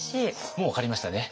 もう分かりましたね。